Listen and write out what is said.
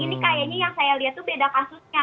ini kayaknya yang saya lihat tuh beda kasusnya